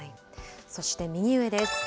そして右上です。